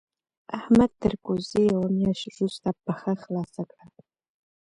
احمد تر کوزدې يوه مياشت روسته پښه خلاصه کړه.